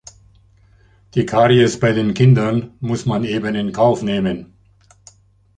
Die Karies bei den Kindern muss man eben in Kauf nehmen!